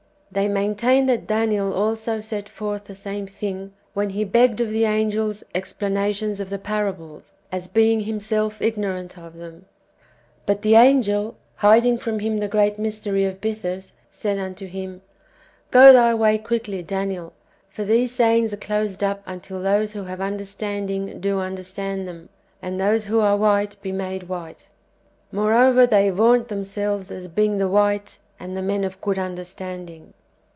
They maintain that Daniel also set forth the same thing when he begged of the angels explanations of the parables, as being himself ignorant of them. But the angel, hiding from him the great mystery of Bythus, said unto him, " Go thy way quickly, Daniel, for these sayings are closed up until those 1 Isa. i. 3. 2 Hos. iv. 1. 3 Rom. iii. 11 ; Ps. xiv. 3. "* Exod. xxxiii. 20. Book i.] IRENJEUS AGAINST HERESIES. 79 who have understanding do understand them, and those who are white be made wliite." ^ Moreover, they vaunt themselves as being the white and the men of good under standing.